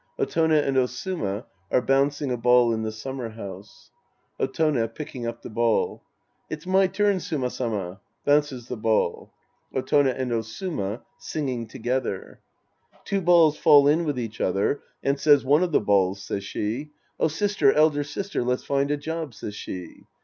Otone and Osuma are bouncing a ball in tJu summer house^ Otone {picking up the ball). It's my turn, Suma Sama. {Bounces the ball.) Otone and Osuma {singing together). Two balls fall in with each other, And says one of the balls, says she, " Oh, sister, elder sister, let's find a job," says she.